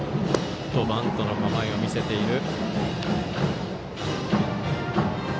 バントの構えを見せている。